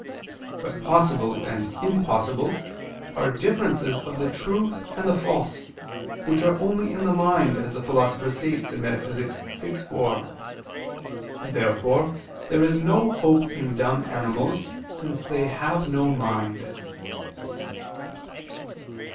But possible and impossible are differences of the true and the false, which are only in the mind, as the Philosopher states (Metaph. vi, 4). Therefore there is no hope in dumb animals, since they have no mind.